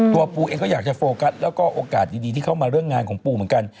ปูเองก็อยากจะโฟกัสแล้วก็โอกาสดีที่เข้ามาเรื่องงานของปูเหมือนกัน